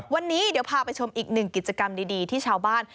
วันนี้เดี๋ยวพาไปชมอีกหนึ่งกิจกรรมดีที่ชาวบ้าน